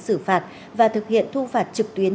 xử phạt và thực hiện thu phạt trực tuyến